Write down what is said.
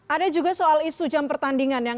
ada juga soal isu jam pertandingan yang